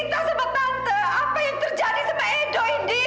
tadi kenapa edo